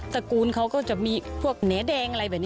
ระกูลเขาก็จะมีพวกเหนือแดงอะไรแบบนี้